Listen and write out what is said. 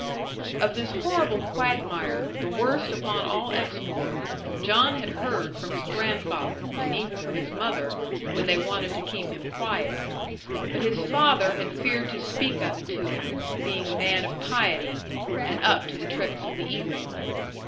Of this horrible quagmire, the worst upon all Exmoor, John had heard from his grandfather, and even from his mother, when they wanted to keep him quiet; but his father had feared to speak of it to him, being a man of piety, and up to the tricks of the evil one.